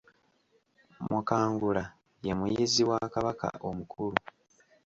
Mukangula ye muyizzi wa Kabaka omukulu